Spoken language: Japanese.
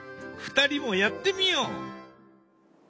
２人もやってみよう。